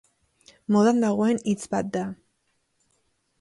Modan dagoen hitz bat da.